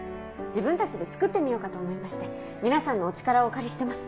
自分たちで作ってみようかと思いまして皆さんのお力をお借りしてます。